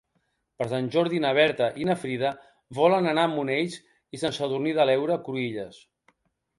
Per Sant Jordi na Berta i na Frida volen anar a Monells i Sant Sadurní de l'Heura Cruïlles.